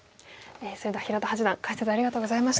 平田八段解説ありがとうございました。